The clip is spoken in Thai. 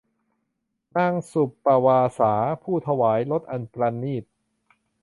นางสุปปวาสา ผู้ถวายรสอันปราณีต